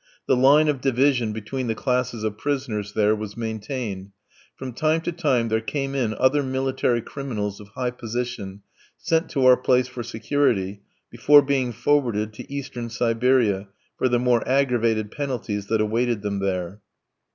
The line of division between the classes of prisoners there was maintained; from time to time there came in other military criminals of high position, sent to our place for security, before being forwarded to Eastern Siberia, for the more aggravated penalties that awaited them there.